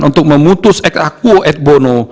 untuk memutus ek aku ek bono